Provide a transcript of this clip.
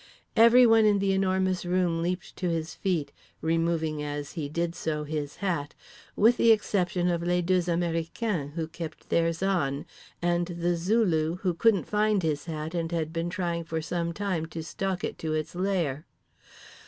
Everyone in The Enormous Room leaped to his feet, removing as he did so his hat—with the exception of les deux américains, who kept theirs on, and The Zulu, who couldn't find his hat and had been trying for some time to stalk it to its lair.